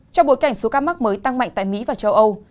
các mức mắc mới tăng mạnh tại mỹ và châu âu